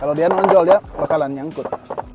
kalau dia nonjol dia bakalan nyangkut